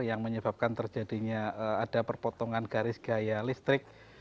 yang menyebabkan terjadinya ada perpotongan garis gaya listrik